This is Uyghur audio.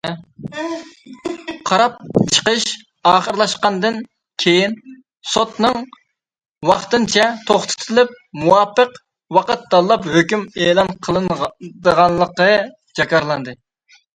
قاراپ چىقىش ئاخىرلاشقاندىن كېيىن، سوتنىڭ ۋاقتىنچە توختىتىلىپ، مۇۋاپىق ۋاقىت تاللاپ ھۆكۈم ئېلان قىلىنىدىغانلىقى جاكارلاندى.